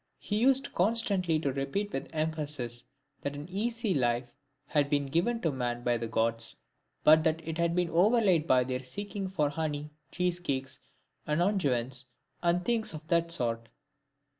He used constantly to repeat with emphasis that an easy life had been given to man by the Gods, but that it had been overlaid by their seeking for honey, cheese cakes, and unguents, and things of that sort.